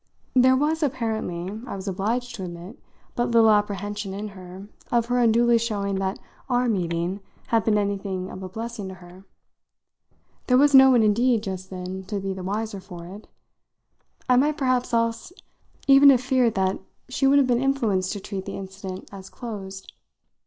There was apparently, I was obliged to admit, but little apprehension in her of her unduly showing that our meeting had been anything of a blessing to her. There was no one indeed just then to be the wiser for it; I might perhaps else even have feared that she would have been influenced to treat the incident as closed.